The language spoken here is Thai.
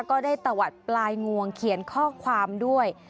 ก็ได้ตะวัดปลายงวงเขียนข้อความด้วย